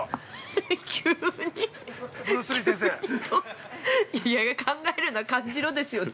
急にいやいや「考えるな！感じろ！」ですよね。